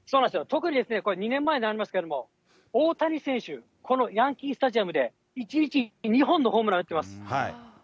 特に２年前になりますけれども、大谷選手、このヤンキースタジアムで、１日２本のホームラン打ってます。